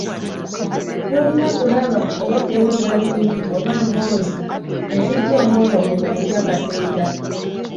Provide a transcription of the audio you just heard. Tolina kulaba oba kuwulira bintu oba mboozi ezijja omwoyo gwo mu kutya Katonda